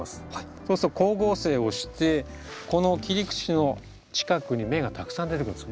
そうすると光合成をしてこの切り口の近くに芽がたくさん出てくるんです。